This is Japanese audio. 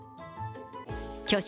巨匠